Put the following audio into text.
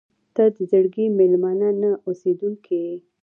• ته د زړګي مېلمانه نه، اوسېدونکې یې.